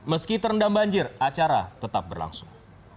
meski terendam banjir acara tetap berlangsung